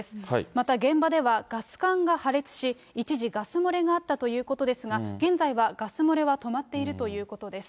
また現場では、ガス管が破裂し、一時、ガスもれがあったということですが、現在はガス漏れは止まっているということです。